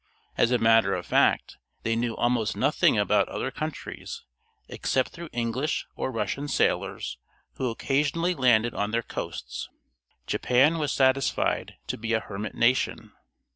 As a matter of fact they knew almost nothing about other countries, except through English or Russian sailors who occasionally landed on their coasts. Japan was satisfied to be a hermit nation.